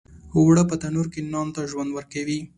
اوړه په تنور کې نان ته ژوند ورکوي